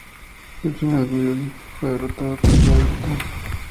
En Final Battle, fue derrotado por Jay Lethal.